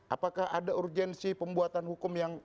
apakah ada urgensi pembuatan hukum yang